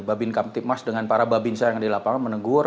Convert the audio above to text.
mbak bimka ptipnas dengan para mbak binsa yang ada di lapangan menegur